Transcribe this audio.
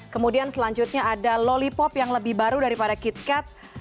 kemudian selanjutnya ada lollipop yang lebih baru daripada kitkat